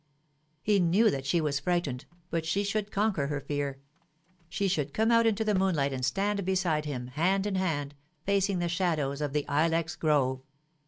He knew that she was frightened, but she should conquer her fear. She should come out into the moonlight and stand beside him, hand in hand, facing the shadows of the ilex grove.